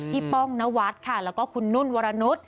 ป้องนวัดค่ะแล้วก็คุณนุ่นวรนุษย์